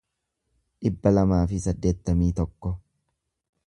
dhibba lamaa fi saddeettamii tokko